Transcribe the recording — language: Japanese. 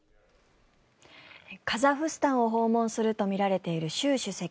カザフスタンを訪問するとみられている習主席。